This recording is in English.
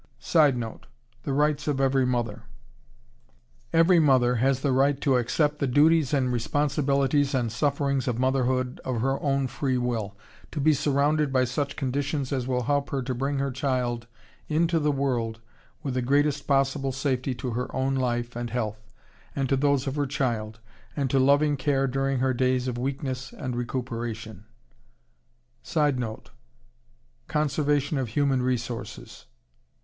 _ [Sidenote: The rights of every mother.] _Every mother has the right to accept the duties, responsibilities, and sufferings of motherhood of her own free will, to be surrounded by such conditions as will help her to bring her child into the world with the greatest possible safety to her own life and health and to those of her child, and to loving care during her days of weakness and recuperation._ [Sidenote: Conservation of human resources.